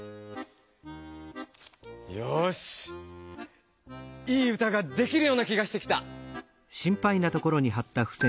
よしいい歌ができるような気がしてきた。